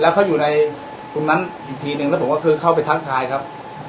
แล้วเขาอยู่ในตรงนั้นอีกทีนึงแล้วผมก็ชิมเข้าไปชุดการณ์ครับ